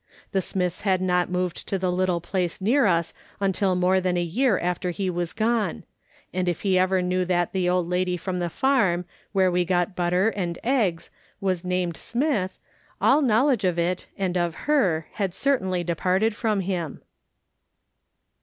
The Smiths had not moved to the little place near us until more than a year after he was gone ; and if he ever knew that the old lady from the farm, where we got butter and " rM GLAD THA T SOLOMON AIM' T ALONG:' 89 efftrs, was named Sinitli, all knowledge of it, and of her, had certainly departed from him.